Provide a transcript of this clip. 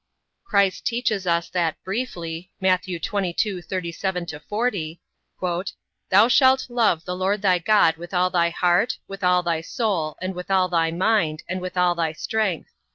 Christ teaches us that briefly, Matt. 22:37 40, "Thou shalt love the Lord thy God with all thy heart, with all thy soul, and with all thy mind, and with all thy strength.